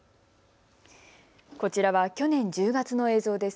こちらは去年１０月の映像です。